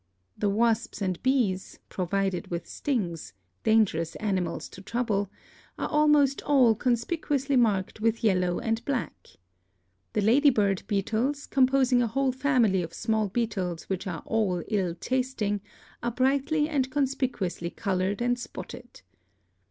The wasps and bees, provided with stings — dangerous animals to trouble — are almost all conspicuously marked with yellow and black. The lady bird beetles, composing a whole family of small beetles which are all ill tasting, are brightly and conspicuously colored and spotted.